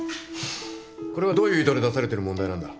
これはどういう意図で出されてる問題なんだ？